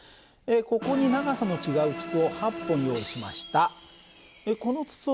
ここに長さの違う筒を８本用意しました。